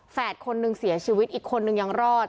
คนนึงเสียชีวิตอีกคนนึงยังรอด